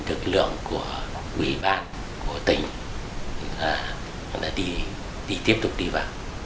nực lượng của ủy ban của tỉnh tiếp tục đi vào